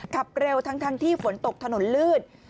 ขับเร็วทั้งที่ฝนตกถนนลื่น